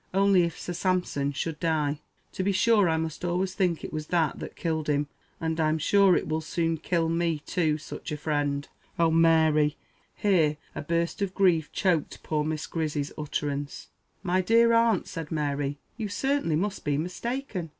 Only if Sir Sampson should die to be sure I must always think it was that that killed him; and I'm sure it at will soon kill me too such a friend oh, Mary!" Here a burst of grief choked poor Miss Grizzy's utterance. "My dear aunt," said Mary, "you certainly must be mistaken.